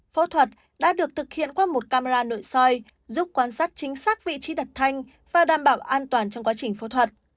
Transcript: phẫu thuật đã được thực hiện qua một camera nội soi giúp quan sát chính xác vị trí đặt thanh và đảm bảo an toàn trong quá trình phẫu thuật